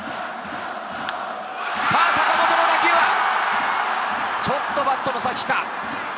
さぁ坂本の打球は、ちょっとバットの先か。